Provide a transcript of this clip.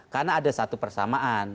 karena ada satu persamaan